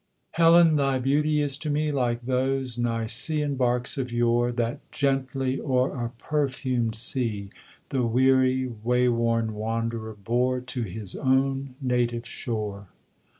] Helen, thy beauty is to me Like those Nicean barks of yore, That gently, o'er a perfumed sea, The weary, wayworn wanderer bore To his own native shore.